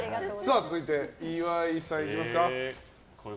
続いて、岩井さんいきますか。